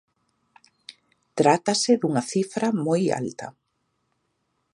Trátase dunha cifra moi alta.